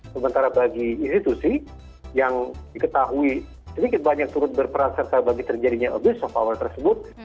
sementara bagi institusi yang diketahui sedikit banyak turut berperan serta bagi terjadinya abuse of power tersebut